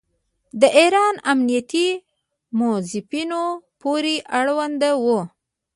د اردن امنیتي موظفینو پورې اړوند وو.